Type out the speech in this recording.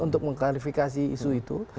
untuk mengklarifikasi isu itu